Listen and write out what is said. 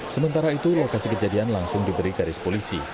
sementara itu lokasi kejadian langsung diberi garis polisi